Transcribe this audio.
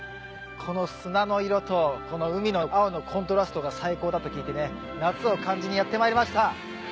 この砂の色とこの海の青のコントラストが最高だと聞いてね夏を感じにやってまいりました！